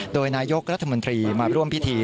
โดยนายกรัฐมนตรีมาร่วมพิธี